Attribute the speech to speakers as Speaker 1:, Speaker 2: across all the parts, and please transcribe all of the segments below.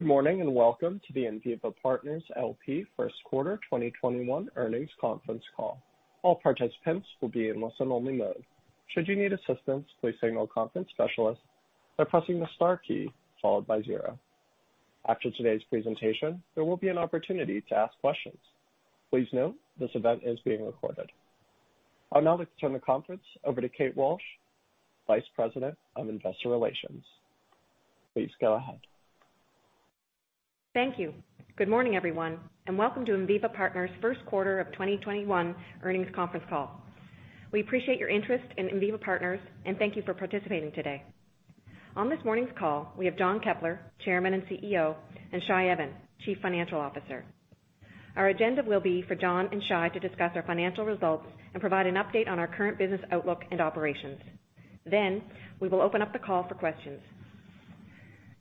Speaker 1: Good morning, and welcome to the Enviva Partners, LP first quarter 2021 earnings conference call. All participants will be in listen-only mode. Should you need assistance, please signal a conference specialist by pressing the star key followed by zero. After today's presentation, there will be an opportunity to ask questions. Please note, this event is being recorded. I'd now like to turn the conference over to Kate Walsh, Vice President of Investor Relations. Please go ahead.
Speaker 2: Thank you. Good morning, everyone, and welcome to Enviva Partners' first quarter of 2021 earnings conference call. We appreciate your interest in Enviva Partners and thank you for participating today. On this morning's call, we have John Keppler, Chairman and CEO, and Shai Even, Chief Financial Officer. Our agenda will be for John and Shai to discuss our financial results and provide an update on our current business outlook and operations. We will open up the call for questions.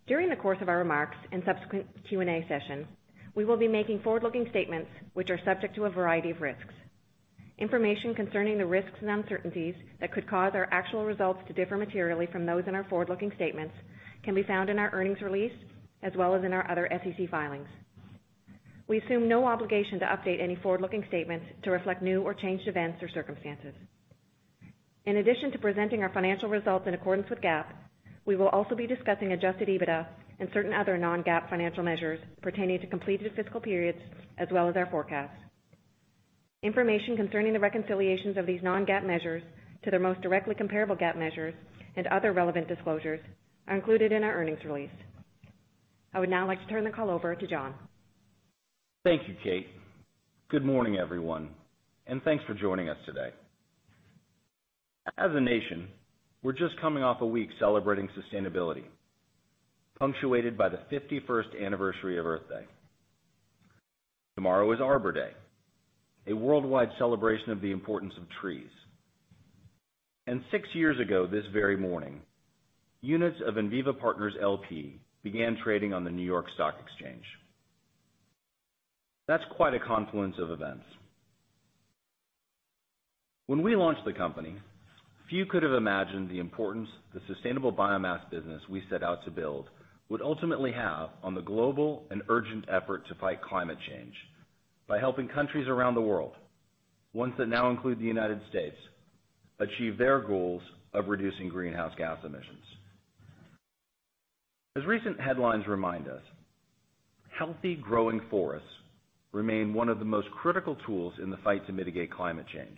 Speaker 2: During the course of our remarks and subsequent Q&A session, we will be making forward-looking statements which are subject to a variety of risks. Information concerning the risks and uncertainties that could cause our actual results to differ materially from those in our forward-looking statements can be found in our earnings release, as well as in our other SEC filings. We assume no obligation to update any forward-looking statements to reflect new or changed events or circumstances. In addition to presenting our financial results in accordance with GAAP, we will also be discussing adjusted EBITDA and certain other non-GAAP financial measures pertaining to completed fiscal periods as well as our forecasts. Information concerning the reconciliations of these non-GAAP measures to their most directly comparable GAAP measures and other relevant disclosures are included in our earnings release. I would now like to turn the call over to John.
Speaker 3: Thank you, Kate. Good morning, everyone, thanks for joining us today. As a nation, we're just coming off a week celebrating sustainability, punctuated by the 51st anniversary of Earth Day. Tomorrow is Arbor Day, a worldwide celebration of the importance of trees. Six years ago this very morning, units of Enviva Partners, LP began trading on the New York Stock Exchange. That's quite a confluence of events. When we launched the company, few could have imagined the importance the sustainable biomass business we set out to build would ultimately have on the global and urgent effort to fight climate change by helping countries around the world, ones that now include the United States, achieve their goals of reducing greenhouse gas emissions. As recent headlines remind us, healthy growing forests remain one of the most critical tools in the fight to mitigate climate change.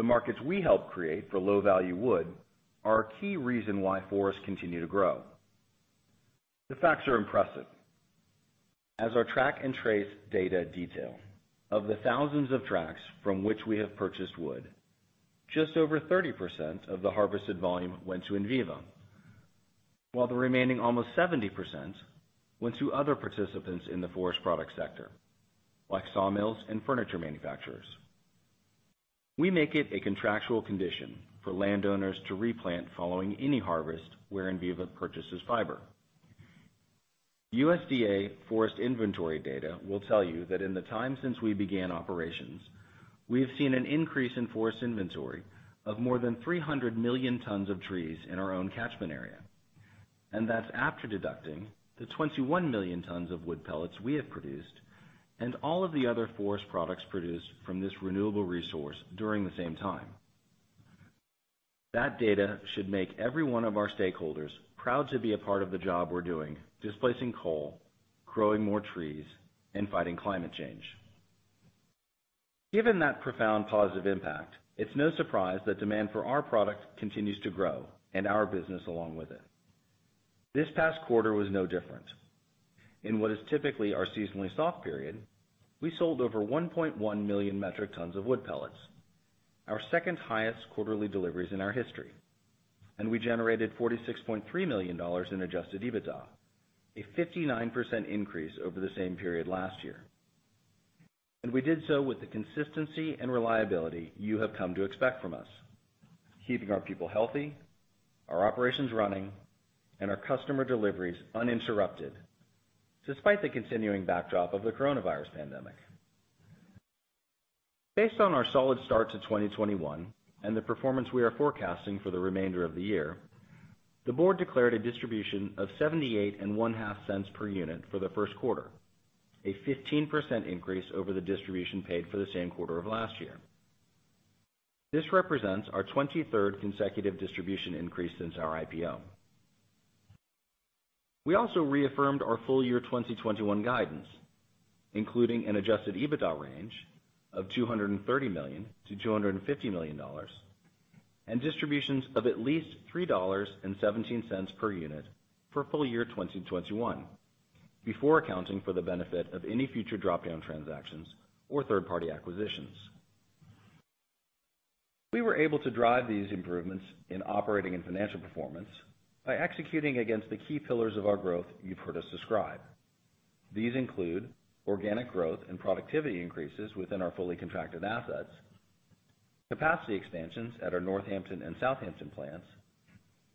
Speaker 3: The markets we helped create for low-value wood are a key reason why forests continue to grow. The facts are impressive. As our track and trace data detail, of the thousands of tracts from which we have purchased wood, just over 30% of the harvested volume went to Enviva, while the remaining almost 70% went to other participants in the forest product sector, like sawmills and furniture manufacturers. We make it a contractual condition for landowners to replant following any harvest where Enviva purchases fiber. USDA forest inventory data will tell you that in the time since we began operations, we have seen an increase in forest inventory of more than 300 million tons of trees in our own catchment area, and that's after deducting the 21 million tons of wood pellets we have produced and all of the other forest products produced from this renewable resource during the same time. That data should make every one of our stakeholders proud to be a part of the job we're doing displacing coal, growing more trees, and fighting climate change. Given that profound positive impact, it's no surprise that demand for our product continues to grow and our business along with it. This past quarter was no different. In what is typically our seasonally soft period, we sold over 1.1 million metric tons of wood pellets, our second highest quarterly deliveries in our history, and we generated $46.3 million in adjusted EBITDA, a 59% increase over the same period last year. We did so with the consistency and reliability you have come to expect from us, keeping our people healthy, our operations running, and our customer deliveries uninterrupted, despite the continuing backdrop of the coronavirus pandemic. Based on our solid start to 2021 and the performance we are forecasting for the remainder of the year, the board declared a distribution of $0.785 per unit for the first quarter, a 15% increase over the distribution paid for the same quarter of last year. This represents our 23rd consecutive distribution increase since our IPO. We also reaffirmed our full year 2021 guidance, including an adjusted EBITDA range of $230 million-$250 million and distributions of at least $3.17 per unit for full year 2021, before accounting for the benefit of any future drop-down transactions or third-party acquisitions. We were able to drive these improvements in operating and financial performance by executing against the key pillars of our growth you've heard us describe. These include organic growth and productivity increases within our fully contracted assets, capacity expansions at our Northampton and Southampton plants,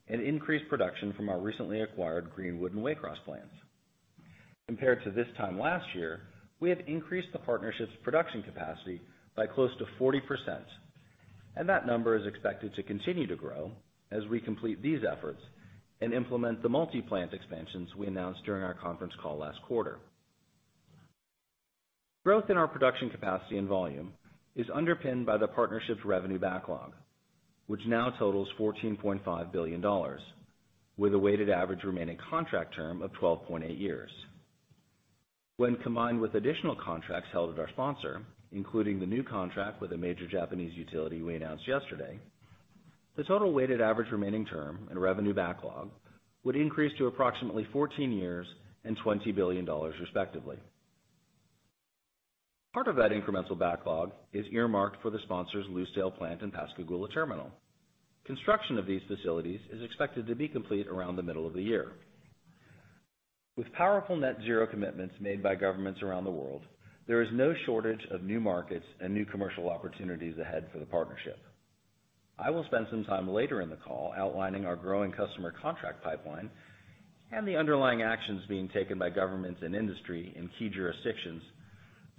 Speaker 3: and increased production from our recently acquired Greenwood and Waycross plants. Compared to this time last year, we have increased the partnership's production capacity by close to 40%, and that number is expected to continue to grow as we complete these efforts and implement the multi-plant expansions we announced during our conference call last quarter. Growth in our production capacity and volume is underpinned by the partnership's revenue backlog, which now totals $14.5 billion, with a weighted average remaining contract term of 12.8 years. When combined with additional contracts held at our sponsor, including the new contract with a major Japanese utility we announced yesterday, the total weighted average remaining term and revenue backlog would increase to approximately 14 years and $20 billion respectively. Part of that incremental backlog is earmarked for the sponsor's Lucedale plant and Pascagoula terminal. Construction of these facilities is expected to be complete around the middle of the year. With powerful net zero commitments made by governments around the world, there is no shortage of new markets and new commercial opportunities ahead for the partnership. I will spend some time later in the call outlining our growing customer contract pipeline and the underlying actions being taken by governments and industry in key jurisdictions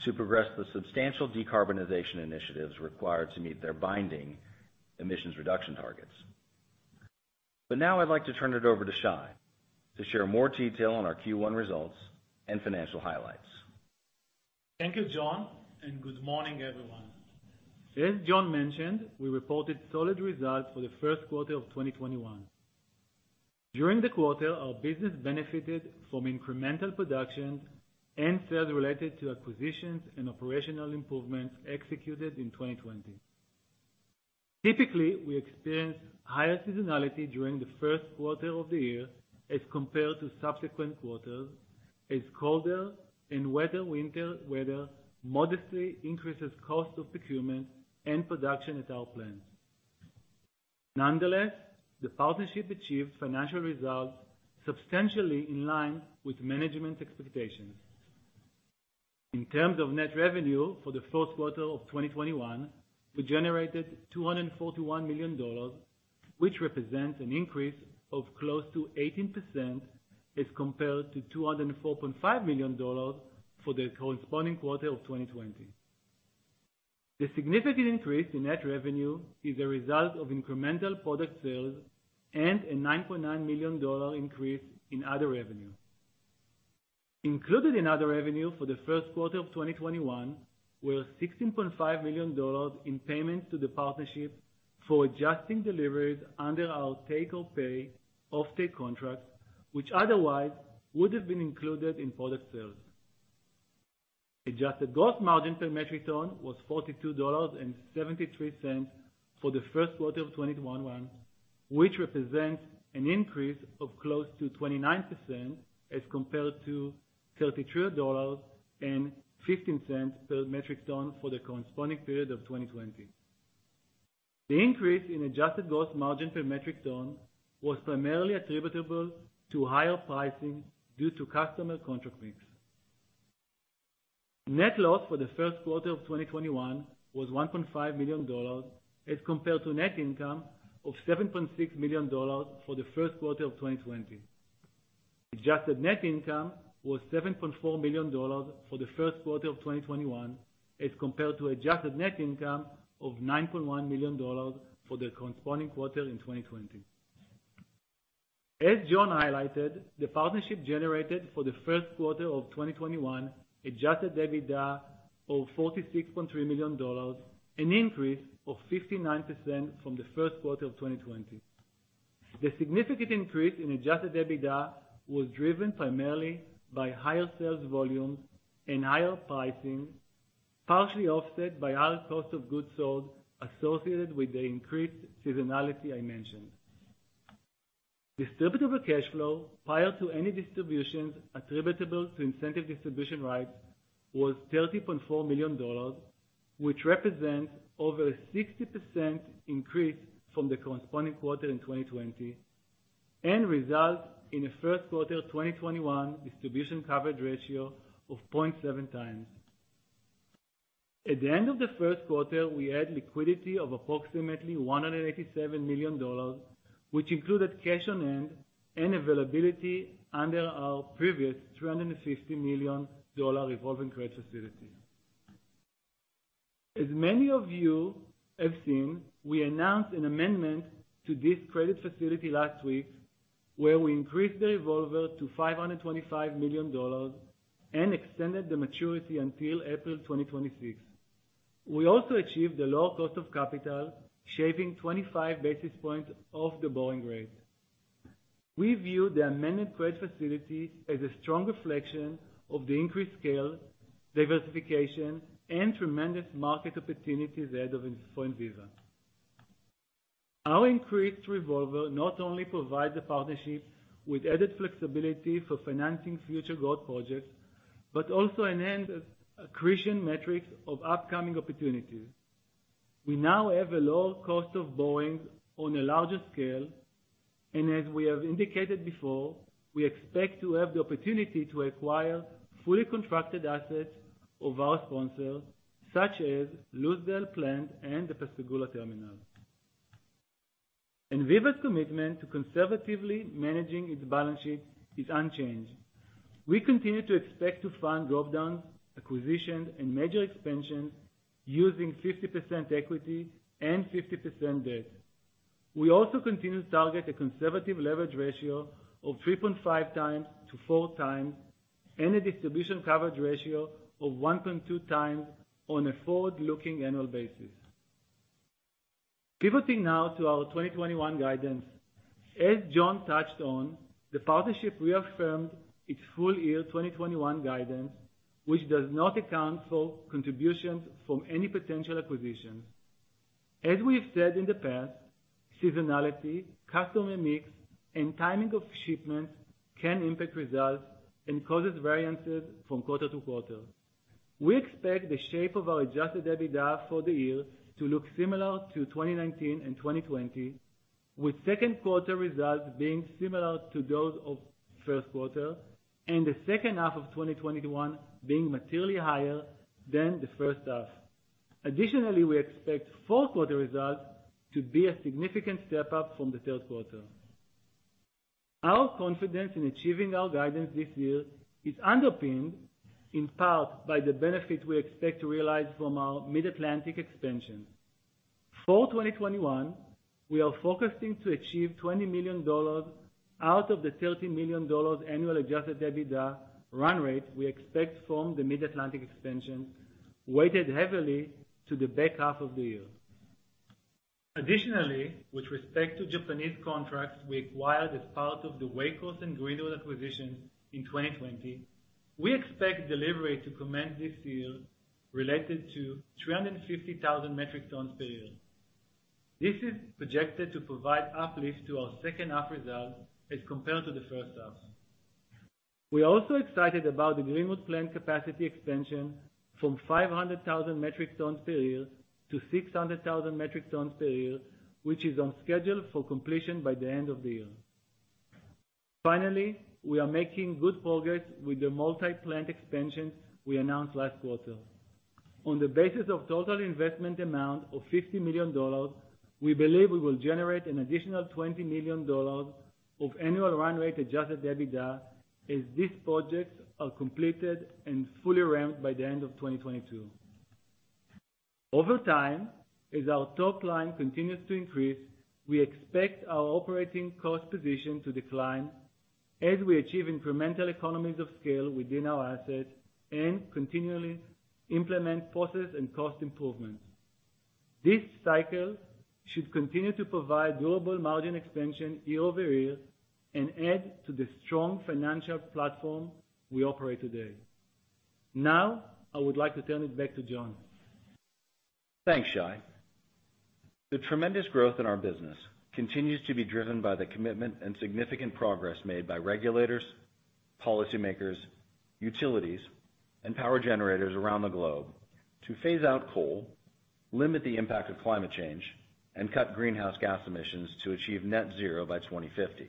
Speaker 3: to progress the substantial decarbonization initiatives required to meet their binding emissions reduction targets. Now I'd like to turn it over to Shai to share more detail on our Q1 results and financial highlights.
Speaker 4: Thank you, John, good morning, everyone. As John mentioned, we reported solid results for the first quarter of 2021. During the quarter, our business benefited from incremental production and sales related to acquisitions and operational improvements executed in 2020. Typically, we experience higher seasonality during the first quarter of the year as compared to subsequent quarters, as colder and wetter winter weather modestly increases cost of procurement and production at our plants. Nonetheless, the partnership achieved financial results substantially in line with management expectations. In terms of net revenue for the first quarter of 2021, we generated $241 million, which represents an increase of close to 18% as compared to $204.5 million for the corresponding quarter of 2020. The significant increase in net revenue is a result of incremental product sales and a $9.9 million increase in other revenue. Included in other revenue for the first quarter of 2021 were $16.5 million in payments to the partnership for adjusting deliveries under our take-or-pay offtake contract, which otherwise would have been included in product sales. Adjusted gross margin per metric ton was $42.73 for the first quarter of 2021, which represents an increase of close to 29% as compared to $33.15 per metric ton for the corresponding period of 2020. The increase in adjusted gross margin per metric ton was primarily attributable to higher pricing due to customer contract mix. Net loss for the first quarter of 2021 was $1.5 million as compared to net income of $7.6 million for the first quarter of 2020. Adjusted net income was $7.4 million for the first quarter of 2021 as compared to adjusted net income of $9.1 million for the corresponding quarter in 2020. As John highlighted, the partnership generated for the first quarter of 2021 adjusted EBITDA of $46.3 million, an increase of 59% from the first quarter of 2020. The significant increase in adjusted EBITDA was driven primarily by higher sales volumes and higher pricing, partially offset by higher cost of goods sold associated with the increased seasonality I mentioned. Distributable cash flow prior to any distributions attributable to Incentive Distribution Rights was $30.4 million, which represents over a 60% increase from the corresponding quarter in 2020 and results in a first quarter 2021 distribution coverage ratio of 0.7x. At the end of the first quarter, we had liquidity of approximately $187 million, which included cash on hand and availability under our previous $350 million revolving credit facility. As many of you have seen, we announced an amendment to this credit facility last week, where we increased the revolver to $525 million and extended the maturity until April 2026. We also achieved a lower cost of capital, shaving 25 basis points off the borrowing rate. We view the amended credit facility as a strong reflection of the increased scale, diversification, and tremendous market opportunities ahead of Enviva. Our increased revolver not only provides the partnership with added flexibility for financing future growth projects, but also enhances accretion metrics of upcoming opportunities. We now have a lower cost of borrowings on a larger scale, and as we have indicated before, we expect to have the opportunity to acquire fully contracted assets of our sponsors, such as Lucedale plant and the Pascagoula terminal. Enviva's commitment to conservatively managing its balance sheet is unchanged. We continue to expect to fund drop-downs, acquisitions, and major expansions using 50% equity and 50% debt. We also continue to target a conservative leverage ratio of 3.5x to 4x, and a distribution coverage ratio of 1.2x on a forward-looking annual basis. Pivoting now to our 2021 guidance. As John touched on, the partnership reaffirmed its full year 2021 guidance, which does not account for contributions from any potential acquisitions. As we've said in the past, seasonality, customer mix, and timing of shipments can impact results and causes variances from quarter-to-quarter. We expect the shape of our adjusted EBITDA for the year to look similar to 2019 and 2020, with second quarter results being similar to those of first quarter, and the second half of 2021 being materially higher than the first half. Additionally, we expect fourth quarter results to be a significant step-up from the third quarter. Our confidence in achieving our guidance this year is underpinned in part by the benefit we expect to realize from our Mid-Atlantic expansion. For 2021, we are focusing to achieve $20 million out of the $30 million annual adjusted EBITDA run rate we expect from the Mid-Atlantic expansion, weighted heavily to the back half of the year. Additionally, with respect to Japanese contracts we acquired as part of the Waycross and Greenwood acquisition in 2020, we expect delivery to commence this year related to 350,000 metric tons per year. This is projected to provide uplift to our second half results as compared to the first half. We're also excited about the Greenwood plant capacity expansion from 500,000 metric tons per year to 600,000 metric tons per year, which is on schedule for completion by the end of the year. Finally, we are making good progress with the multi-plant expansion we announced last quarter. On the basis of total investment amount of $50 million, we believe we will generate an additional $20 million of Annual Run Rate adjusted EBITDA as these projects are completed and fully ramped by the end of 2022. Over time, as our top line continues to increase, we expect our operating cost position to decline as we achieve incremental economies of scale within our assets and continually implement process and cost improvements. This cycle should continue to provide durable margin expansion year-over-year and add to the strong financial platform we operate today. Now, I would like to turn it back to John.
Speaker 3: Thanks, Shai. The tremendous growth in our business continues to be driven by the commitment and significant progress made by regulators, policymakers, utilities, and power generators around the globe to phase out coal, limit the impact of climate change, and cut greenhouse gas emissions to achieve net zero by 2050.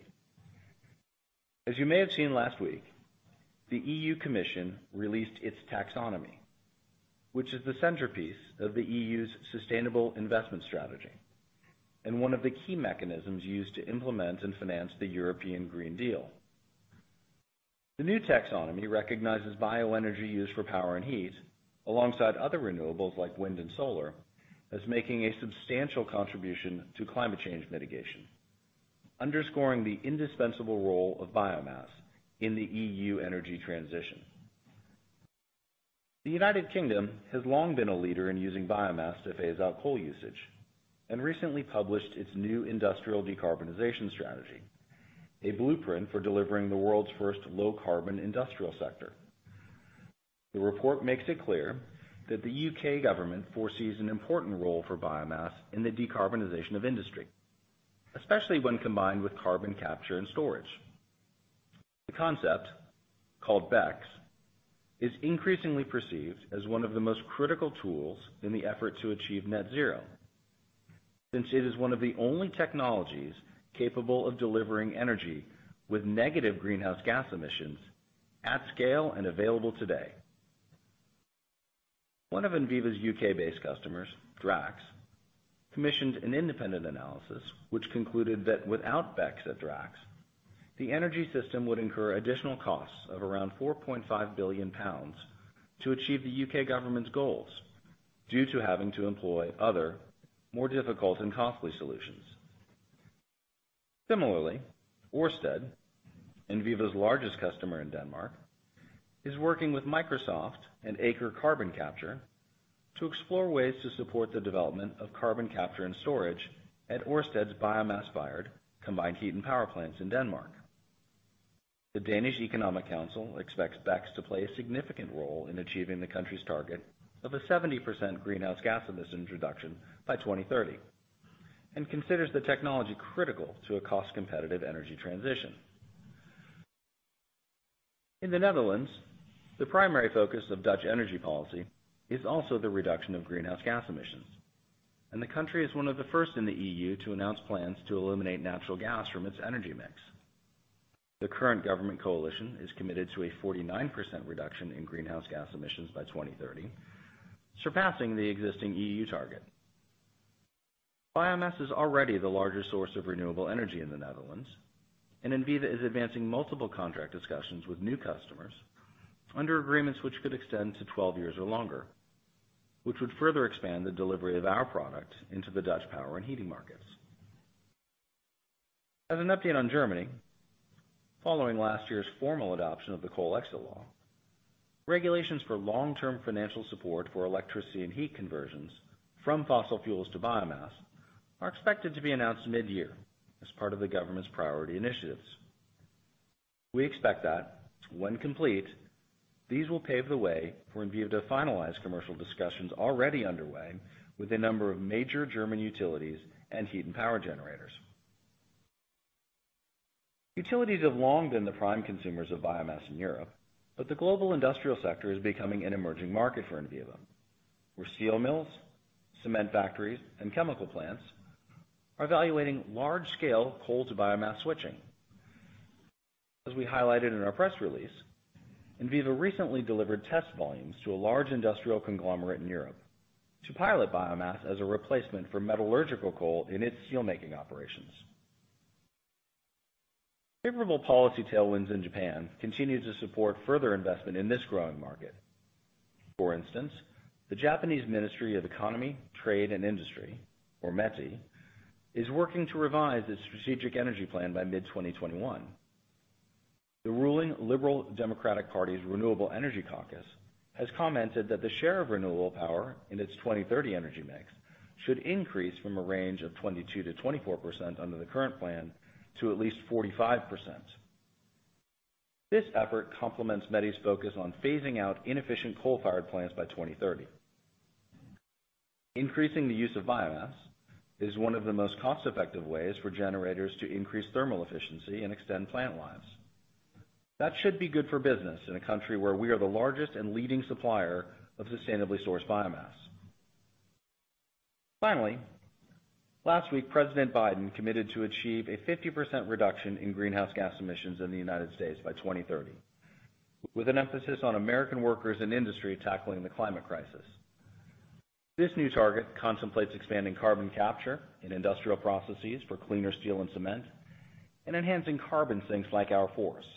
Speaker 3: As you may have seen last week, the European Commission released its taxonomy, which is the centerpiece of the EU's sustainable investment strategy, and one of the key mechanisms used to implement and finance the European Green Deal. The new taxonomy recognizes bioenergy used for power and heat, alongside other renewables like wind and solar, as making a substantial contribution to climate change mitigation, underscoring the indispensable role of biomass in the EU energy transition. The United Kingdom has long been a leader in using biomass to phase out coal usage, and recently published its new Industrial Decarbonization Strategy, a blueprint for delivering the world's first low carbon industrial sector. The report makes it clear that the U.K. government foresees an important role for biomass in the decarbonization of industry, especially when combined with carbon capture and storage. The concept, called BECCS, is increasingly perceived as one of the most critical tools in the effort to achieve net zero, since it is one of the only technologies capable of delivering energy with negative greenhouse gas emissions at scale and available today. One of Enviva's U.K.-based customers, Drax, commissioned an independent analysis which concluded that without BECCS at Drax, the energy system would incur additional costs of around 4.5 billion pounds to achieve the U.K. government's goals due to having to employ other, more difficult and costly solutions. Similarly, Ørsted, Enviva's largest customer in Denmark, is working with Microsoft and Aker Carbon Capture to explore ways to support the development of carbon capture and storage at Ørsted's biomass-fired combined heat and power plants in Denmark. The Danish Economic Council expects BECCS to play a significant role in achieving the country's target of a 70% greenhouse gas emissions reduction by 2030, and considers the technology critical to a cost-competitive energy transition. In the Netherlands, the primary focus of Dutch energy policy is also the reduction of greenhouse gas emissions, and the country is one of the first in the EU to announce plans to eliminate natural gas from its energy mix. The current government coalition is committed to a 49% reduction in greenhouse gas emissions by 2030, surpassing the existing EU target. Biomass is already the largest source of renewable energy in the Netherlands, and Enviva is advancing multiple contract discussions with new customers under agreements which could extend to 12 years or longer, which would further expand the delivery of our product into the Dutch power and heating markets. As an update on Germany, following last year's formal adoption of the Coal Exit Law, regulations for long-term financial support for electricity and heat conversions from fossil fuels to biomass are expected to be announced mid-year as part of the government's priority initiatives. We expect that when complete, these will pave the way for Enviva to finalize commercial discussions already underway with a number of major German utilities and heat and power generators. Utilities have long been the prime consumers of biomass in Europe, but the global industrial sector is becoming an emerging market for Enviva, where steel mills, cement factories, and chemical plants are evaluating large-scale coal to biomass switching. As we highlighted in our press release, Enviva recently delivered test volumes to a large industrial conglomerate in Europe to pilot biomass as a replacement for metallurgical coal in its steelmaking operations. Favorable policy tailwinds in Japan continue to support further investment in this growing market. For instance, the Japanese Ministry of Economy, Trade and Industry, or METI, is working to revise its strategic energy plan by mid-2021. The ruling Liberal Democratic Party's Renewable Energy Caucus has commented that the share of renewable power in its 2030 energy mix should increase from a range of 22%-24% under the current plan to at least 45%. This effort complements METI's focus on phasing out inefficient coal-fired plants by 2030. Increasing the use of biomass is one of the most cost-effective ways for generators to increase thermal efficiency and extend plant lives. That should be good for business in a country where we are the largest and leading supplier of sustainably sourced biomass. Finally, last week, President Biden committed to achieve a 50% reduction in greenhouse gas emissions in the United States by 2030, with an emphasis on American workers and industry tackling the climate crisis. This new target contemplates expanding carbon capture in industrial processes for cleaner steel and cement and enhancing carbon sinks like our forests.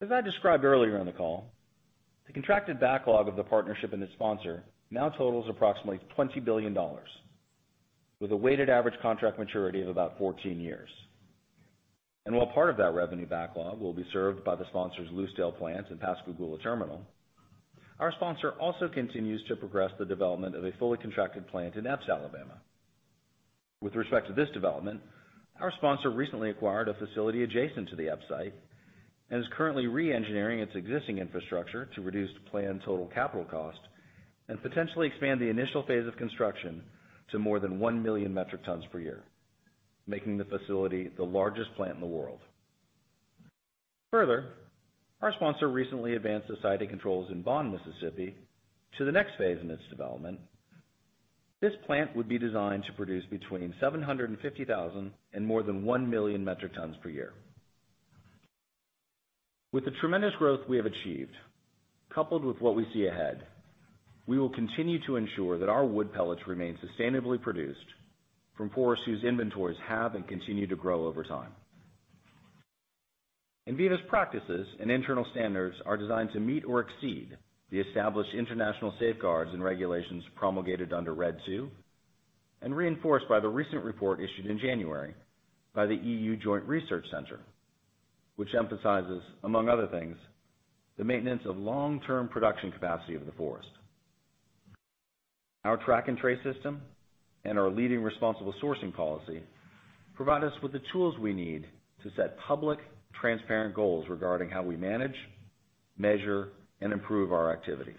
Speaker 3: As I described earlier in the call, the contracted backlog of the partnership and its sponsor now totals approximately $20 billion, with a weighted average contract maturity of about 14 years. While part of that revenue backlog will be served by the sponsor's Lucedale plant and Pascagoula terminal, our sponsor also continues to progress the development of a fully contracted plant in Epes, Alabama. With respect to this development, our sponsor recently acquired a facility adjacent to the Epes site and is currently re-engineering its existing infrastructure to reduce the planned total capital cost and potentially expand the initial phase of construction to more than 1 million metric tons per year, making the facility the largest plant in the world. Further, our sponsor recently advanced the site it controls in Bond, Mississippi, to the next phase in its development. This plant would be designed to produce between 750,000 and more than 1 million metric tons per year. With the tremendous growth we have achieved, coupled with what we see ahead, we will continue to ensure that our wood pellets remain sustainably produced from forests whose inventories have and continue to grow over time. Enviva's practices and internal standards are designed to meet or exceed the established international safeguards and regulations promulgated under RED II and reinforced by the recent report issued in January by the EU Joint Research Centre, which emphasizes, among other things, the maintenance of long-term production capacity of the forest. Our track and trace system and our leading responsible sourcing policy provide us with the tools we need to set public, transparent goals regarding how we manage, measure, and improve our activities.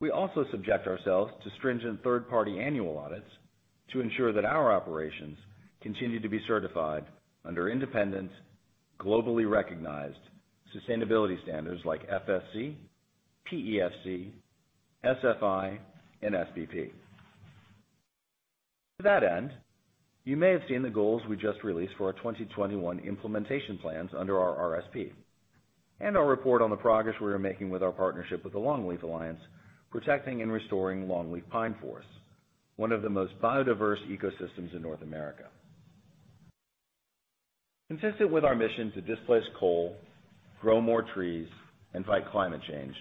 Speaker 3: We also subject ourselves to stringent third-party annual audits to ensure that our operations continue to be certified under independent, globally recognized sustainability standards like FSC, PEFC, SFI, and SBP. To that end, you may have seen the goals we just released for our 2021 implementation plans under our RSP and our report on the progress we are making with our partnership with The Longleaf Alliance, protecting and restoring longleaf pine forests, one of the most biodiverse ecosystems in North America. Consistent with our mission to displace coal, grow more trees, and fight climate change,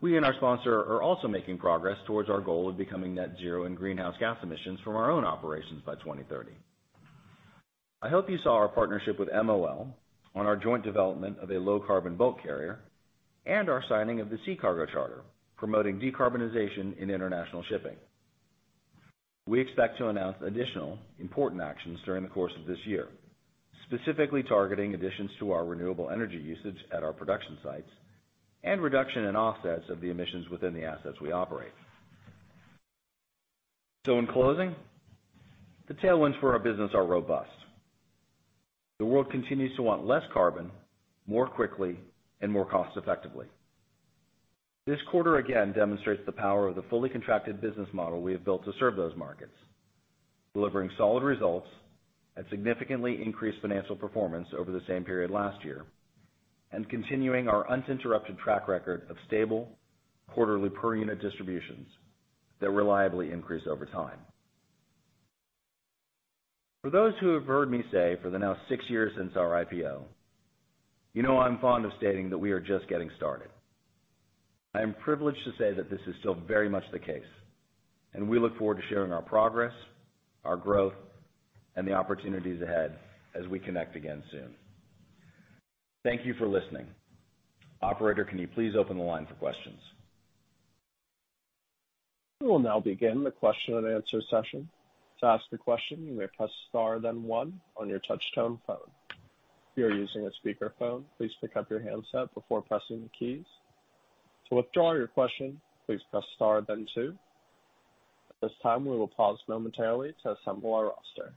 Speaker 3: we and our sponsor are also making progress towards our goal of becoming net zero in greenhouse gas emissions from our own operations by 2030. I hope you saw our partnership with MOL on our joint development of a low-carbon bulk carrier and our signing of the Sea Cargo Charter, promoting decarbonization in international shipping. We expect to announce additional important actions during the course of this year, specifically targeting additions to our renewable energy usage at our production sites and reduction in offsets of the emissions within the assets we operate. In closing, the tailwinds for our business are robust. The world continues to want less carbon, more quickly, and more cost-effectively. This quarter again demonstrates the power of the fully contracted business model we have built to serve those markets, delivering solid results and significantly increased financial performance over the same period last year, and continuing our uninterrupted track record of stable quarterly per unit distributions that reliably increase over time. For those who have heard me say for the now six years since our IPO, you know I'm fond of stating that we are just getting started. I am privileged to say that this is still very much the case, and we look forward to sharing our progress, our growth, and the opportunities ahead as we connect again soon. Thank you for listening. Operator, can you please open the line for questions?
Speaker 1: We will now begin the question and answer session. To ask your question you may press star and one on your touchtone phone. If you are using a speakerphone, please pick up your handset before pressing the keys. To withdraw your question, please press star then two. At this time, we will pause momentarily to assemble our roster.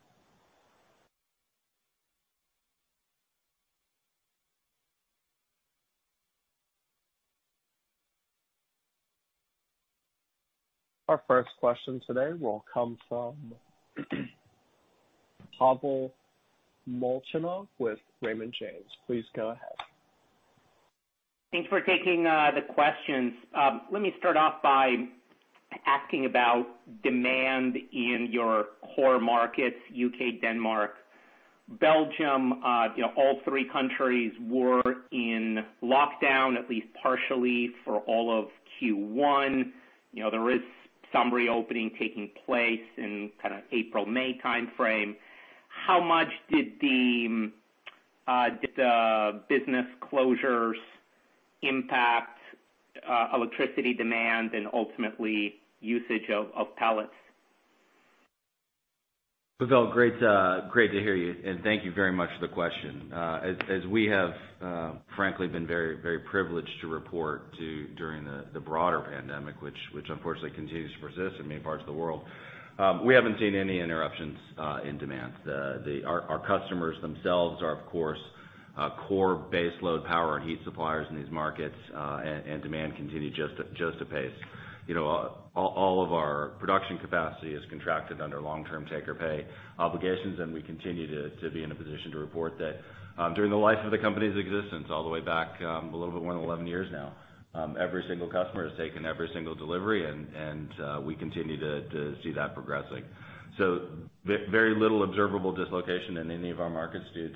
Speaker 1: Our first question today will come from Pavel Molchanov with Raymond James. Please go ahead.
Speaker 5: Thanks for taking the questions. Let me start off by asking about demand in your core markets, U.K., Denmark, Belgium. All three countries were in lockdown at least partially for all of Q1. There is some reopening taking place in April, May timeframe. How much did the business closures impact electricity demand and ultimately usage of pellets?
Speaker 3: Pavel, great to hear you, thank you very much for the question. As we have frankly been very privileged to report during the broader pandemic, which unfortunately continues to persist in many parts of the world, we haven't seen any interruptions in demand. Our customers themselves are, of course, core base load power and heat suppliers in these markets, and demand continued just to pace. All of our production capacity is contracted under long-term take-or-pay obligations, and we continue to be in a position to report that during the life of the company's existence, all the way back a little bit more than 11 years now, every single customer has taken every single delivery and we continue to see that progressing. Very little observable dislocation in any of our markets due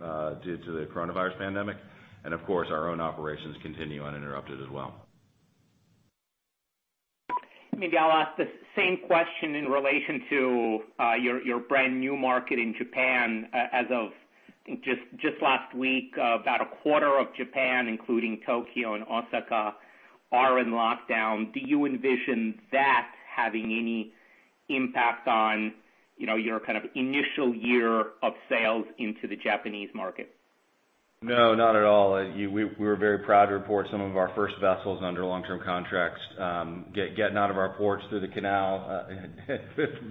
Speaker 3: to the coronavirus pandemic. Of course, our own operations continue uninterrupted as well.
Speaker 5: Maybe I'll ask the same question in relation to your brand new market in Japan as of just last week. About a quarter of Japan, including Tokyo and Osaka, are in lockdown. Do you envision that having any impact on your kind of initial year of sales into the Japanese market?
Speaker 3: No, not at all. We were very proud to report some of our first vessels under long-term contracts getting out of our ports through the canal.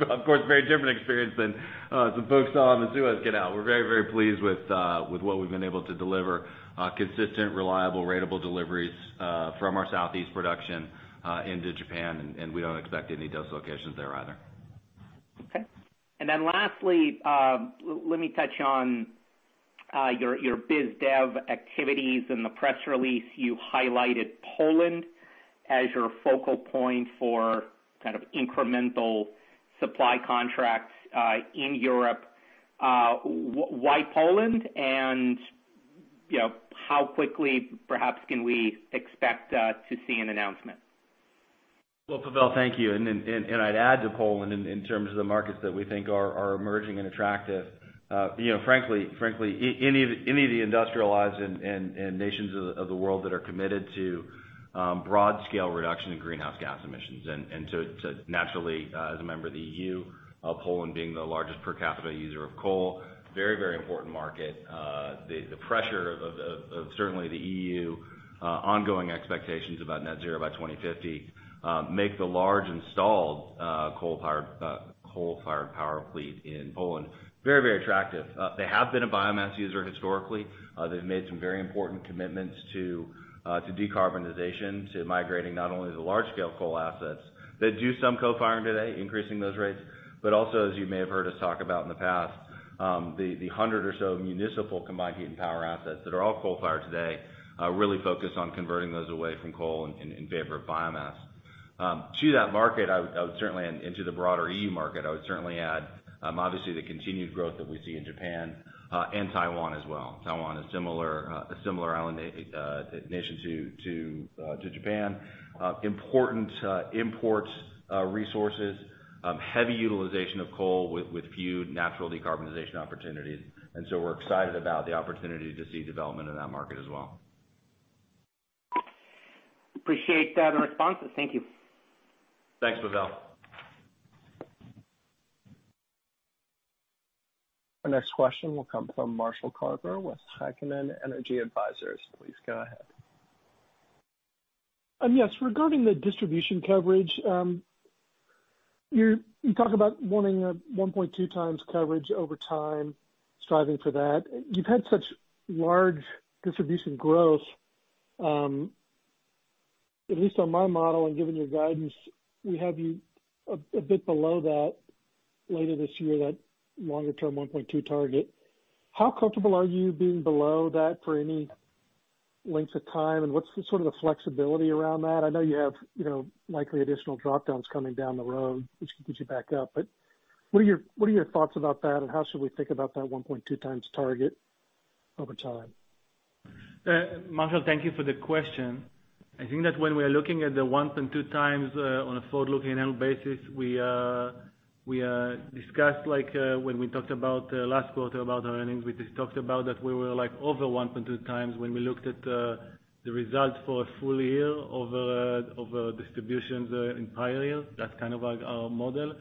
Speaker 3: Of course, very different experience than some folks saw the Suez get out. We're very, very pleased with what we've been able to deliver. Consistent, reliable ratable deliveries from our Southeast production into Japan, and we don't expect any dislocations there either.
Speaker 5: Okay. Lastly, let me touch on your biz dev activities. In the press release, you highlighted Poland as your focal point for kind of incremental supply contracts in Europe. Why Poland? How quickly, perhaps, can we expect to see an announcement?
Speaker 3: Well, Pavel, thank you. I'd add to Poland in terms of the markets that we think are emerging and attractive. Frankly, any of the industrialized nations of the world that are committed to broad scale reduction in greenhouse gas emissions. Naturally, as a member of the EU, Poland being the largest per capita user of coal, very important market. The pressure of certainly the EU ongoing expectations about net zero by 2050 make the large installed coal-fired power fleet in Poland very attractive. They have been a biomass user historically. They've made some very important commitments to decarbonization, to migrating not only the large scale coal assets. They do some co-firing today, increasing those rates. Also, as you may have heard us talk about in the past, the 100 or so municipal combined heat and power assets that are all coal-fired today really focus on converting those away from coal in favor of biomass. To that market, and to the broader EU market, I would certainly add, obviously, the continued growth that we see in Japan and Taiwan as well. Taiwan, a similar island nation to Japan. Important imports resources, heavy utilization of coal with few natural decarbonization opportunities. We're excited about the opportunity to see development in that market as well.
Speaker 5: Appreciate that response. Thank you.
Speaker 3: Thanks, Pavel.
Speaker 1: Our next question will come from Marshall Carver with Heikkinen Energy Advisors. Please go ahead.
Speaker 6: Yes. Regarding the distribution coverage. You talk about wanting a 1.2x coverage over time, striving for that. You've had such large distribution growth. At least on my model and given your guidance, we have you a bit below that later this year, that longer term 1.2x target. How comfortable are you being below that for any length of time? What's the flexibility around that? I know you have likely additional drop-downs coming down the road, which could get you back up. What are your thoughts about that, and how should we think about that 1.2x target over time?
Speaker 4: Marshall, thank you for the question. I think that when we are looking at the 1.2x, on a forward-looking annual basis, we discussed when we talked about last quarter about our earnings, we just talked about that we were over 1.2x when we looked at the results for a full year over distributions in prior years. That's kind of our model.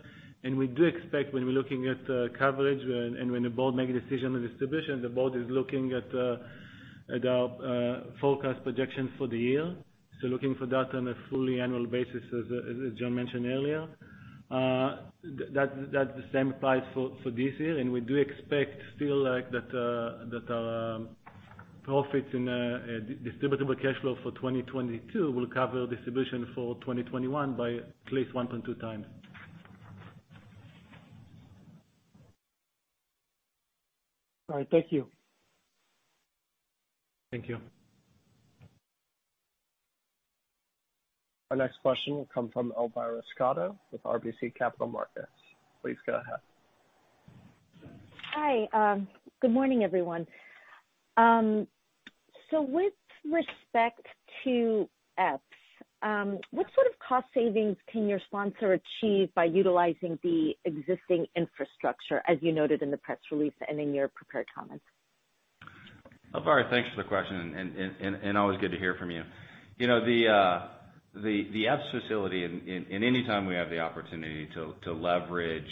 Speaker 4: We do expect when we're looking at coverage and when the board make a decision on distribution, the board is looking at our forecast projections for the year. Looking for that on a fully annual basis as John mentioned earlier. That same applies for this year. We do expect still that our profits and distributable cash flow for 2022 will cover distribution for 2021 by at least 1.2x.
Speaker 6: All right. Thank you.
Speaker 4: Thank you.
Speaker 1: Our next question will come from Elvira Scotto with RBC Capital Markets. Please go ahead.
Speaker 7: Hi. Good morning, everyone. With respect to Epes, what sort of cost savings can your sponsor achieve by utilizing the existing infrastructure, as you noted in the press release and in your prepared comments?
Speaker 3: Thanks for the question, and always good to hear from you. The Epes facility, and anytime we have the opportunity to leverage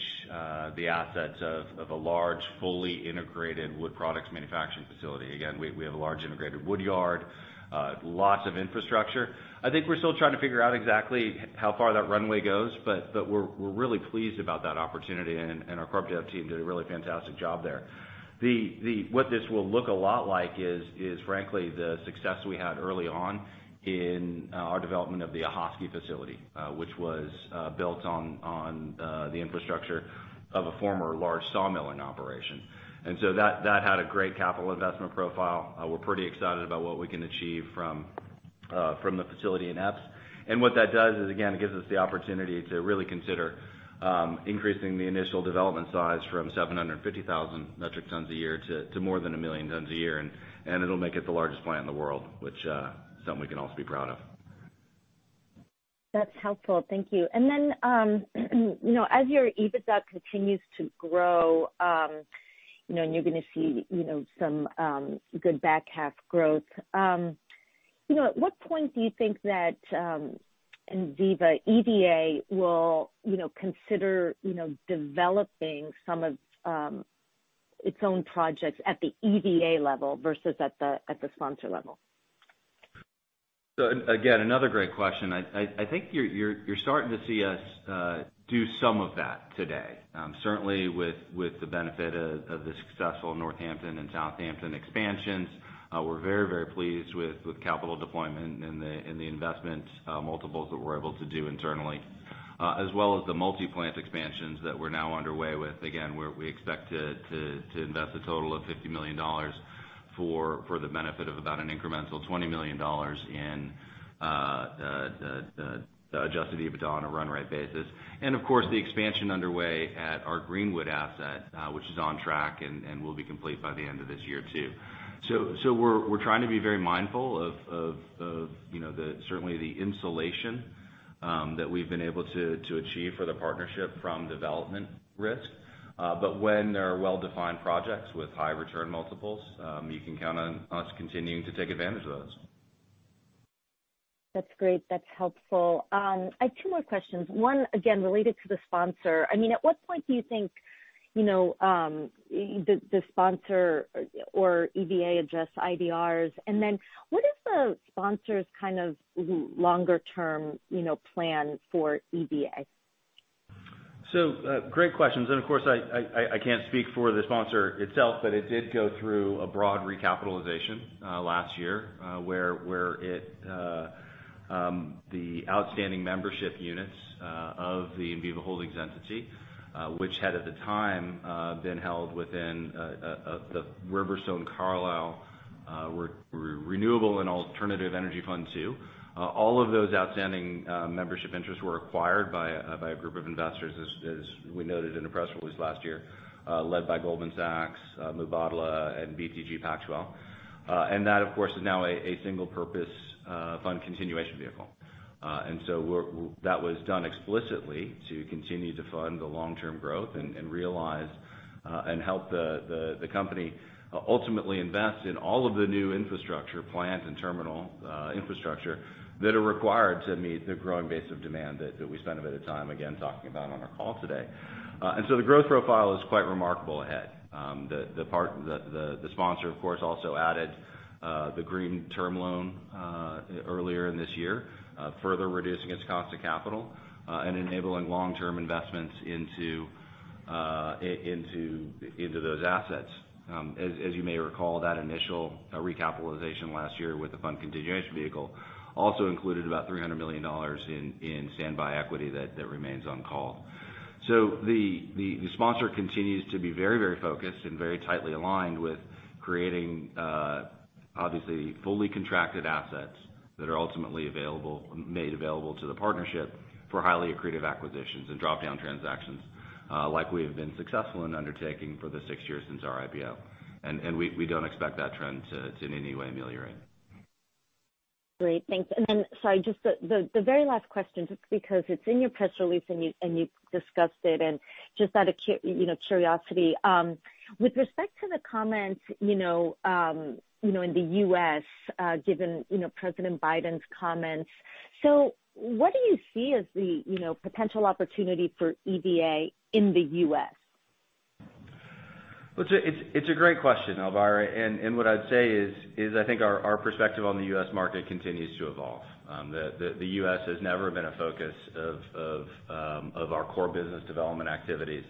Speaker 3: the assets of a large, fully integrated wood products manufacturing facility. Again, we have a large integrated woodyard, lots of infrastructure. I think we're still trying to figure out exactly how far that runway goes, but we're really pleased about that opportunity, and our corp dev team did a really fantastic job there. What this will look a lot like is frankly, the success we had early on in our development of the Ahoskie facility, which was built on the infrastructure of a former large sawmilling operation. That had a great capital investment profile. We're pretty excited about what we can achieve from the facility in Epes. What that does is, again, it gives us the opportunity to really consider increasing the initial development size from 750,000 metric tons a year to more than 1 million tons a year. It'll make it the largest plant in the world, which is something we can all be proud of.
Speaker 7: That's helpful. Thank you. As your EBITDA continues to grow, you're going to see some good back half growth. At what point do you think that Enviva, EVA, will consider developing some of its own projects at the EVA level versus at the sponsor level?
Speaker 3: Again, another great question. I think you're starting to see us do some of that today. Certainly with the benefit of the successful Northampton, and Southampton expansions. We're very pleased with capital deployment and the investment multiples that we're able to do internally. As well as the multi-plant expansions that we're now underway with. Again, where we expect to invest a total of $50 million for the benefit of about an incremental $20 million in the adjusted EBITDA on a run rate basis. Of course, the expansion underway at our Greenwood asset, which is on track and will be complete by the end of this year, too. We're trying to be very mindful of certainly the insulation that we've been able to achieve for the partnership from development risk. When there are well-defined projects with high return multiples, you can count on us continuing to take advantage of those.
Speaker 7: That's great. That's helpful. I had two more questions. One, again, related to the sponsor. At what point do you think the sponsor or EVA adjusts IDRs? And what is the sponsor's kind of longer-term plan for EVA?
Speaker 3: Great questions. Of course, I can't speak for the sponsor itself, but it did go through a broad recapitalization last year. Where the outstanding membership units of the Enviva Holdings entity, which had at the time, been held within the Riverstone/Carlyle Renewable and Alternative Energy Fund II. All of those outstanding membership interests were acquired by a group of investors, as we noted in a press release last year, led by Goldman Sachs, Mubadala, and BTG Pactual. That, of course, is now a single purpose fund continuation vehicle. That was done explicitly to continue to fund the long-term growth and realize and help the company ultimately invest in all of the new infrastructure plants and terminal infrastructure that are required to meet the growing base of demand that we spent a bit of time again, talking about on our call today. The growth profile is quite remarkable ahead. The sponsor, of course, also added the green term loan earlier this year, further reducing its cost of capital and enabling long-term investments into those assets. As you may recall, that initial recapitalization last year with the fund continuation vehicle also included about $300 million in standby equity that remains on call. The sponsor continues to be very focused and very tightly aligned with creating, obviously, fully contracted assets that are ultimately made available to the partnership for highly accretive acquisitions and drop-down transactions, like we have been successful in undertaking for the six years since our IPO. We don't expect that trend to in any way ameliorate.
Speaker 7: Great. Thanks. Sorry, just the very last question, just because it's in your press release and you discussed it, and just out of curiosity. With respect to the comments in the U.S., given President Biden's comments, what do you see as the potential opportunity for EVA in the U.S.?
Speaker 3: Well, it's a great question, Elvira, and what I'd say is I think our perspective on the U.S. market continues to evolve. The U.S. has never been a focus of our core business development activities.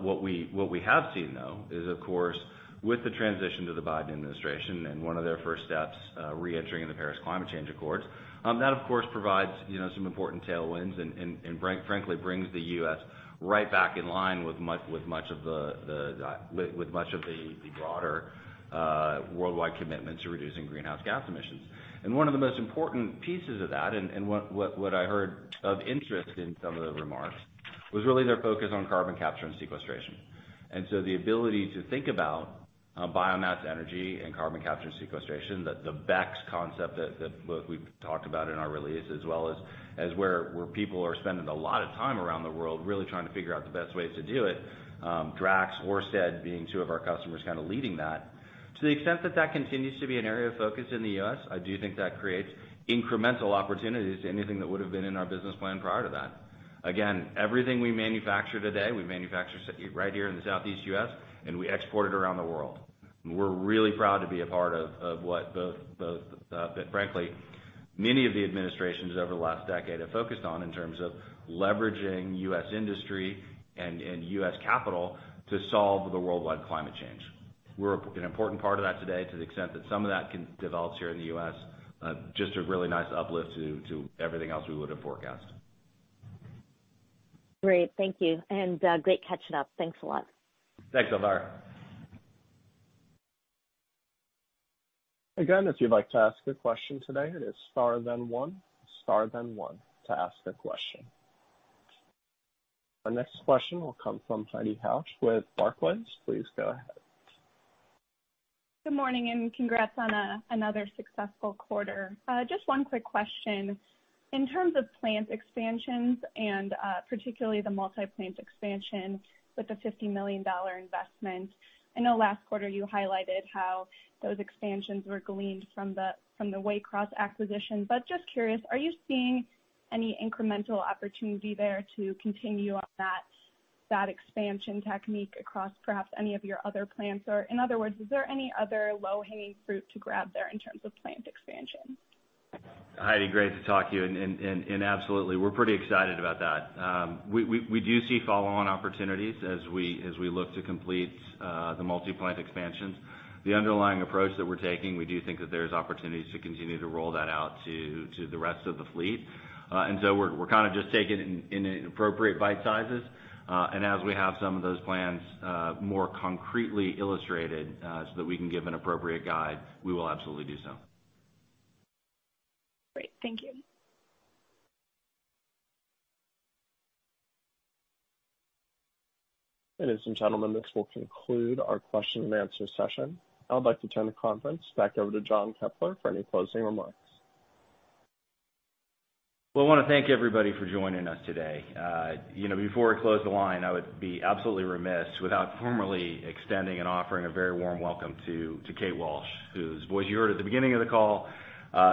Speaker 3: What we have seen, though, is of course, with the transition to the Biden administration and one of their first steps reentering the Paris Agreement. That of course provides some important tailwinds and frankly brings the U.S. right back in line with much of the broader worldwide commitment to reducing greenhouse gas emissions. One of the most important pieces of that, and what I heard of interest in some of the remarks, was really their focus on carbon capture and sequestration. The ability to think about biomass energy and carbon capture sequestration, the BECCS concept that we've talked about in our release, as well as where people are spending a lot of time around the world really trying to figure out the best ways to do it. Drax, Ørsted being two of our customers kind of leading that. To the extent that that continues to be an area of focus in the U.S., I do think that creates incremental opportunities to anything that would've been in our business plan prior to that. Again, everything we manufacture today, we manufacture right here in the southeast U.S. and we export it around the world. We're really proud to be a part of what both, frankly, many of the administrations over the last decade have focused on in terms of leveraging U.S. industry and U.S. capital to solve the worldwide climate change. We're an important part of that today to the extent that some of that develops here in the U.S., just a really nice uplift to everything else we would've forecasted.
Speaker 7: Great. Thank you. Great catching up. Thanks a lot.
Speaker 3: Thanks, Elvira.
Speaker 1: Again, if you'd like to ask a question today, it is star then one. Star then one to ask a question. Our next question will come from Heidi Hauch with Barclays. Please go ahead.
Speaker 8: Good morning and congrats on another successful quarter. One quick question. In terms of plant expansions and particularly the multi-plant expansion with the $50 million investment, I know last quarter you highlighted how those expansions were gleaned from the Waycross acquisition. Just curious, are you seeing any incremental opportunity there to continue on that expansion technique across perhaps any of your other plants? In other words, is there any other low-hanging fruit to grab there in terms of plant expansion?
Speaker 3: Heidi, great to talk to you. Absolutely, we're pretty excited about that. We do see follow-on opportunities as we look to complete the multi-plant expansions. The underlying approach that we're taking, we do think that there's opportunities to continue to roll that out to the rest of the fleet. We're kind of just taking it in appropriate bite sizes. As we have some of those plans more concretely illustrated so that we can give an appropriate guide, we will absolutely do so.
Speaker 8: Great. Thank you.
Speaker 1: Ladies and gentlemen, this will conclude our question and answer session. I would like to turn the conference back over to John Keppler for any closing remarks.
Speaker 3: Well, I want to thank everybody for joining us today. Before we close the line, I would be absolutely remiss without formally extending and offering a very warm welcome to Kate Walsh, whose voice you heard at the beginning of the call,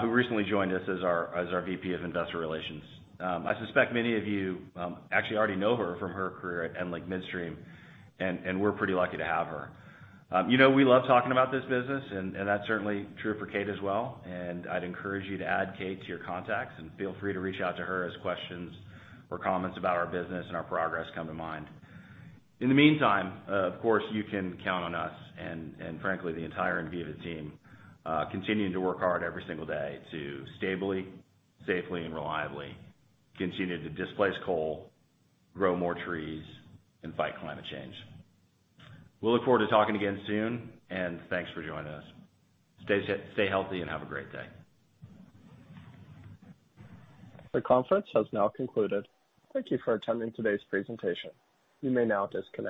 Speaker 3: who recently joined us as our VP of Investor Relations. I suspect many of you actually already know her from her career at EnLink Midstream, we're pretty lucky to have her. We love talking about this business, that's certainly true for Kate as well. I'd encourage you to add Kate to your contacts and feel free to reach out to her as questions or comments about our business and our progress come to mind. In the meantime, of course you can count on us and frankly the entire Enviva team, continuing to work hard every single day to stably, safely, and reliably continue to displace coal, grow more trees, and fight climate change. We look forward to talking again soon. Thanks for joining us. Stay healthy and have a great day.
Speaker 1: The conference has now concluded. Thank you for attending today's presentation. You may now disconnect.